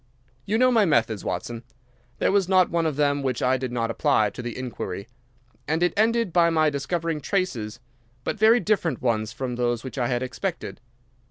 You know my methods, Watson. There was not one of them which I did not apply to the inquiry. And it ended by my discovering traces, but very different ones from those which I had expected.